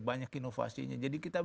banyak inovasinya jadi kita